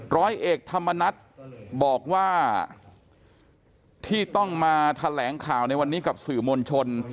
ร้อยเอกธรรมนัฏบอกว่าที่ต้องมาแถลงข่าวในวันนี้กับสื่อมวลชน